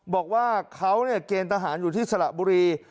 บอกว่าเขาเกณฑ์ทหารอยู่ที่สระบุรี